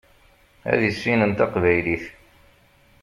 Ad issinen taqbaylit.